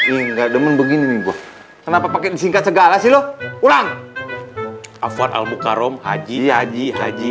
enggak demen begini gue kenapa pakai disingkat segala silo ulang afan almukharom haji haji haji